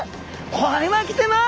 これはきてます！